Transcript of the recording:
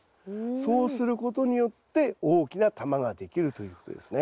そうすることによって大きな球ができるということですね。